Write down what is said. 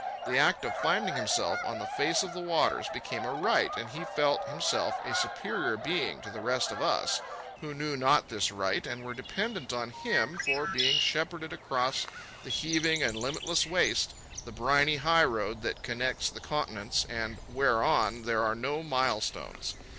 The act of finding himself on the face of the waters became a rite, and he felt himself a superior being to the rest of us who knew not this rite and were dependent on him for being shepherded across the heaving and limitless waste, the briny highroad that connects the continents and whereon there are no mile stones.